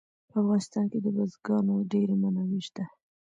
په افغانستان کې د بزګانو ډېرې منابع شته.